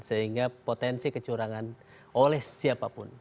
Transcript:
sehingga potensi kecurangan oleh siapapun